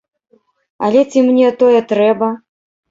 Але ці мне тое трэба?